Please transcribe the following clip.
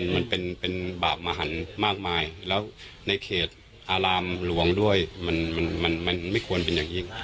มันเป็นบาปมหันมากมายแล้วในเขตอารามหลวงด้วยมันไม่ควรเป็นอย่างยิ่ง